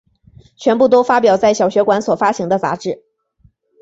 全部都发表在小学馆所发行的杂志。